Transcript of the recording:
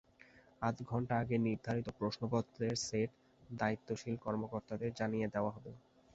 আধা ঘণ্টা আগে নির্ধারিত প্রশ্নপত্রের সেট দায়িত্বশীল কর্মকর্তাদের জানিয়ে দেওয়া হবে।